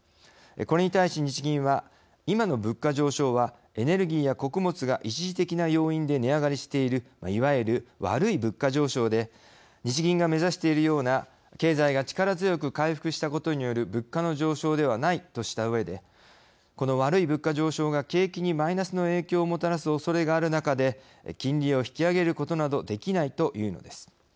これに対し、日銀は今の物価上昇はエネルギーや穀物が一時的な要因で値上がりしているいわゆる、悪い物価上昇で日銀が目指しているような経済が力強く回復したことによる物価の上昇ではないとしたうえでこの悪い物価上昇が景気にマイナスの影響をもたらすおそれがある中で金利を引き上げることなどできないというのです。